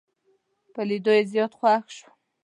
په لیدو یې زیات خوښ شوم.